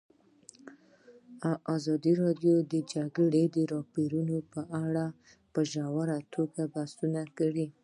ازادي راډیو د د جګړې راپورونه په اړه په ژوره توګه بحثونه کړي.